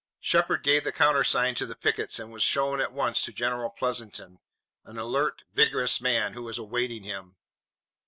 Shepard gave the countersign to the pickets and was shown at once to General Pleasanton, an alert, vigorous man, who was awaiting him.